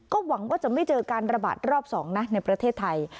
ก็หวังว่าจะไม่เจอการระบาดรอบ๒นะในประเทศไทย